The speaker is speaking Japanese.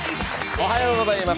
おはようございます。